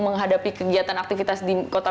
menghadapi kegiatan aktivitas di kota